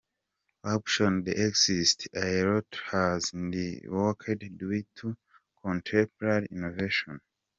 options that existed, a lot has reworked due to contemporary innovation.